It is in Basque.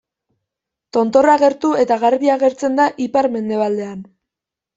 Tontorra gertu eta garbi agertzen da ipar-mendebaldean.